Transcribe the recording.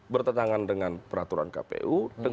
bertentangan dengan peraturan kpu